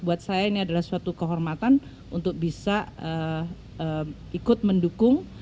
buat saya ini adalah suatu kehormatan untuk bisa ikut mendukung